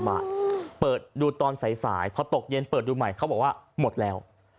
มาเปิดดูตอนสายพอตกเย็นเปิดดูใหม่เขาบอกว่าหมดแล้ว